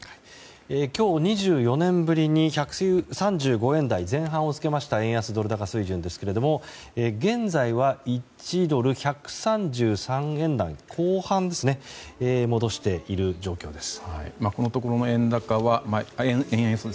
２４年ぶりに１３５円台前半をつけた円安ドル高水準ですけれども現在は１ドル＝１３３円台後半に戻している状況です。